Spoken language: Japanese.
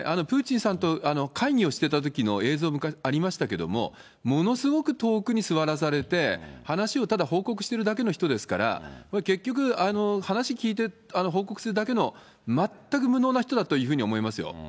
プーチンさんと会議をしてたときの映像ありましたけども、ものすごく遠くに座らされて、話をただ報告してるだけの人ですから、これ、結局、話聞いて、報告するだけの、全く無能な人だというふうに思いますよ。